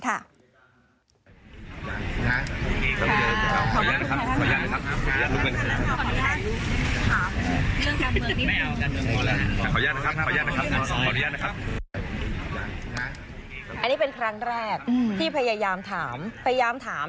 อันนี้เป็นครั้งแรกที่พยายามถาม